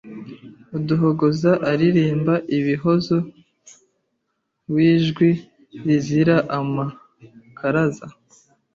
Uduhogoza aririmba ibihozo W'ijwi rizira amakaraza